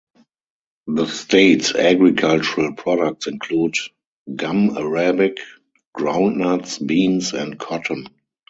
The state's agricultural products include gum arabic, groundnuts, beans, and cotton.